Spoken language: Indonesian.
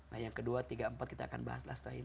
nah yang kedua tiga empat kita akan bahas setelah ini